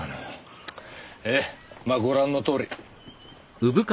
ええまあご覧のとおり。